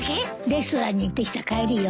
レストランに行ってきた帰りよ。